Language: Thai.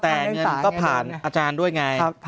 แต่เงินก็ผ่านอาจารย์ด้วยไง